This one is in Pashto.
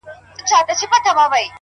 o سپين گل د بادام مي د زړه ور مـات كړ ـ